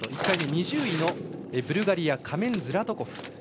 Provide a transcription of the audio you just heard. １回目２０位のブルガリア、カメン・ズラトコフ。